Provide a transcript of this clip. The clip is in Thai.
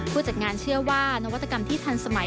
ผู้จัดงานเชื่อว่านวัตกรรมที่ทันสมัย